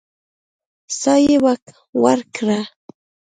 سا يې ورکړه.